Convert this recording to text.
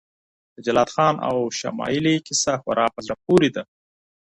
د جلات خان او شمایلې کیسه خورا په زړه پورې ده.